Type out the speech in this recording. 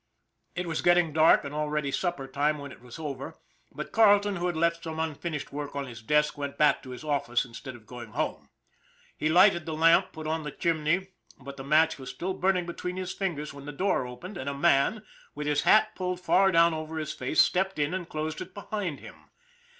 It was getting dark and already supper time when it was over, but Carleton, who had left some unfinished work on his desk, went back to his office instead of going home. He lighted the lamp, put on the chimney, but the match was still burning between his fingers when the door opened and a man, with his hat pulled far down over his face, stepped in and closed it behind him.